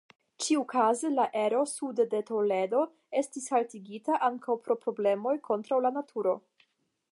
Ĉiukaze la ero sude de Toledo estis haltigita ankaŭ pro problemoj kontraŭ la naturo.